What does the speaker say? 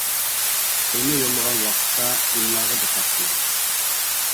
تېما يوللىغان ۋاقىتتا ئىملاغا دىققەت قىلىڭ.